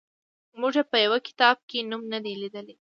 موږ یې په یوه کتاب کې نوم نه دی لیدلی.